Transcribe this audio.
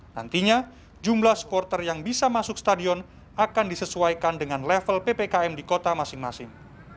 nantinya jumlah supporter yang bisa masuk stadion akan disesuaikan dengan level ppkm di kota masing masing